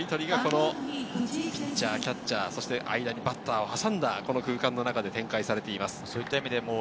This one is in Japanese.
そのやりとりがピッチャー、キャッチャー、そして間にバッターを挟んだ空間の中で展開されています。